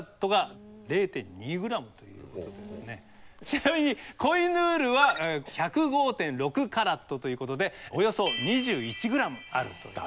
ちなみにコ・イ・ヌールは１０５．６カラットということでおよそ２１ｇあるという。